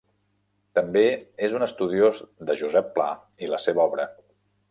També és un estudiós de Josep Pla i la seva obra.